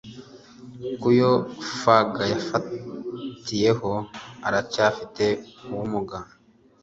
Kuyo farg yafatiyeho aracyafite ubumuga